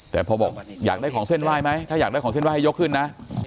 แต่พอบอกอยากได้ของเส้นไหว้ไหมถ้าอยากได้ของเส้นไห้ให้ยกขึ้นนะ